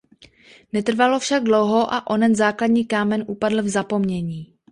Netrvalo však dlouho a onen základní kámen upadl v zapomnění.